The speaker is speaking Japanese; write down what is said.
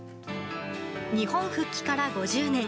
日本復帰から５０年。